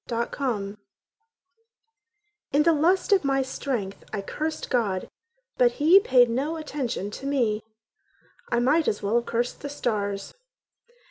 John Ballard In the lust of my strength I cursed God, but he paid no attention to me: I might as well have cursed the stars.